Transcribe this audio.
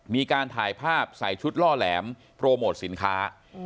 มีการถ่ายภาพใส่ชุดล่อแหลมโปรโมทสินค้า